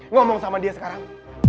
ngomong sama dia sekarang